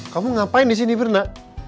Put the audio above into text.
kamu ngapain disini berna